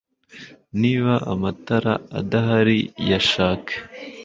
Niba amatara adahari yashake